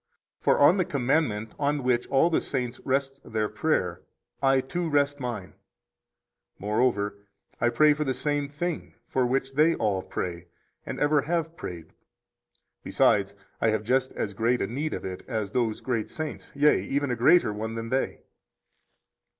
For on the commandment on which all the saints rest their prayer I, too, rest mine. Moreover, I pray for the same thing for which they all pray and ever have prayed; besides, I have just as great a need of it as those great saints, yea, even a greater one than they.